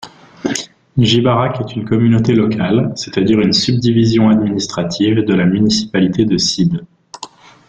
Gibarac est une communauté locale, c'est-à-dire une subdivision administrative, de la municipalité de Šid.